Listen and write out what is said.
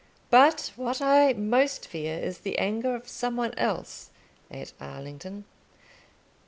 But what I most fear is the anger of some one else, at Allington.